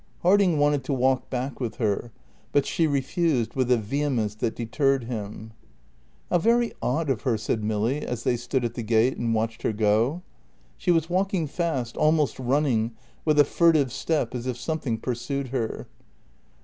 Harding wanted to walk back with her, but she refused with a vehemence that deterred him. "How very odd of her," said Milly, as they stood at the gate and watched her go. She was walking fast, almost running, with a furtive step, as if something pursued her.